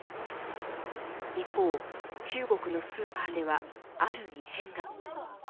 一方、中国のスーパーではある異変が。